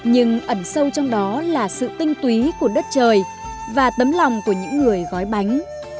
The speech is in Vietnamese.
nhưng ẩn sâu trong đó là sự tinh túy của đất trời và tấm lòng của những người gói bánh